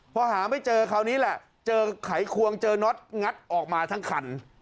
พอหาไม่เจอคราวนี้แหละเจอไขควงเจอน็อตงัดออกมาทั้งคัน